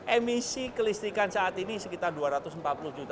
emisi kelistrikan saat ini itu sudah cukup masih belum cukup juga